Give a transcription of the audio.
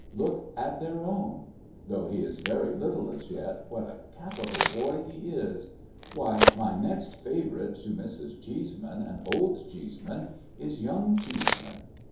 Look at their own ! Though he is very little as yet, what a capital boy he is ! Why, my next favourite to Mrs. Cheeseman and Old Cheeseman, is young Cheeseman.